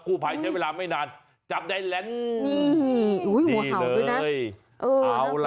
กู้ภัยใช้เวลาไม่นานจับไหนแล้วนี่ดีเลยโอ้โหงูห่าวก็นะ